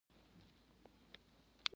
د کابل بازان ډېر مینه وال لري.